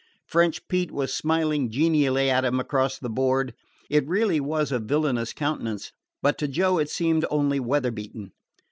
French Pete was smiling genially at him across the board. It really was a villainous countenance, but to Joe it seemed only weather beaten.